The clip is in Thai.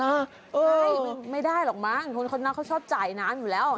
มานี่ไม่ได้หรอกม้างคนน้าจะชอบจ่ายนานอยู่แล้ว